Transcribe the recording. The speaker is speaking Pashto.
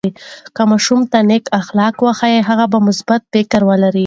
که ماشوم ته نیک اخلاق وښیو، نو هغه به مثبت فکر ولري.